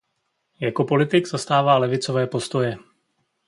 Jako politik zastává levicové postoje.